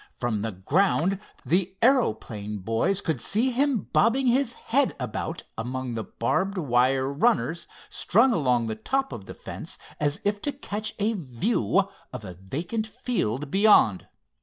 From the ground the aeroplane boys could see him bobbing his head about among the barbed wire runners, strung along on top of the fence, as if to catch a view of a vacant field beyond.